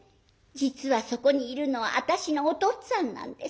実はそこにいるのは私のおとっつぁんなんです。